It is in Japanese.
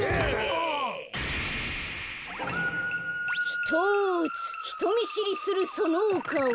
ひとつひとみしりするそのおかお。